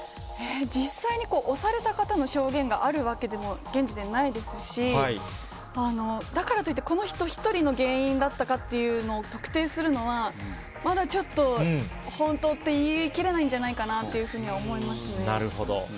実際に押された方の証言があるわけでも、現時点、ないですし、だからといってこの人１人の原因だったかっていうの、特定するのは、まだちょっと本当って言い切れないんじゃないかなっていうふうになるほど。